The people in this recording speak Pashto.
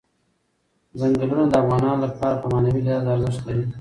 ځنګلونه د افغانانو لپاره په معنوي لحاظ ارزښت لري.